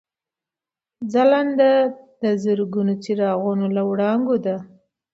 ځلېدنه د زرګونو څراغونو له وړانګو ده.